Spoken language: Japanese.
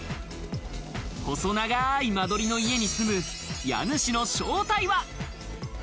細長い間取りの家に住む家主の正体は？